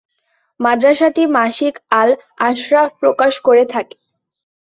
মাদ্রাসাটি মাসিক "আল-আশরাফ" প্রকাশ করে থাকে।